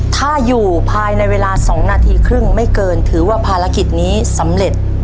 ถ้าอยู่ภายในเวลา๒นาทีครึ่งไม่เกินถือว่าภารกิจนี้สำเร็จ